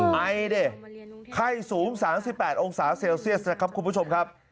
ไอดิไข้สูง๓๘องศาเซลเซียสนะครับคุณผู้ชมครับ